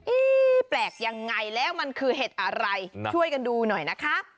แปลกยังไงแล้วมันคือเห็ดอะไรช่วยกันดูหน่อยนะคะ